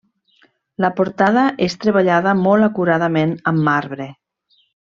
La portada és treballada molt acuradament amb marbre.